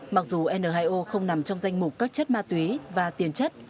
mặc dù n hai o không nằm trong danh mục các chất ma túy và tiền chất